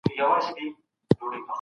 ویاړل یوازي د نیکو کارونو له امله ښه دي.